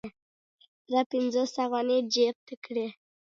پوره پنځوس افغانۍ یې جیب ته کړې.